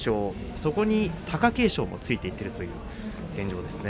そこに貴景勝もついていっているという現状ですね。